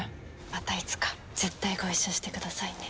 またいつか絶対ご一緒してくださいね。